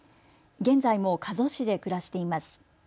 現在も加須市で暮らしています。